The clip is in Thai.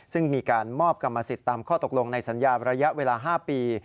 ซึ่งมีการมอบกรรมสิทธิ์ตามข้อตกลงในสัญญาระยะเวลา๕ปี